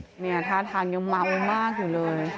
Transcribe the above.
เนี่ยท่าทางยังเมามากอยู่เลย